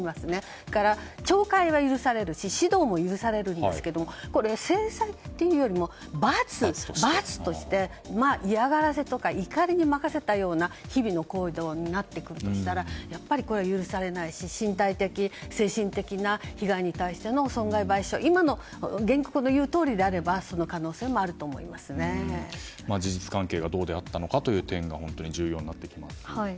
それから懲戒は許されるし指導も許されるんですが制裁というより罰として嫌がらせとか怒りに任せたような日々の行動になってくるとしたらこれは許されないし身体的、精神的な被害に対しての損害賠償は今の原告の言う通りなら事実関係がどうであったのかが本当に重要になってきますね。